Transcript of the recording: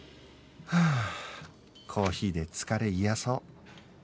はあコーヒーで疲れ癒やそう